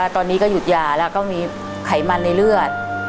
ตอนนี้ก็หยุดยาแล้วก็มีไขมันในเลือด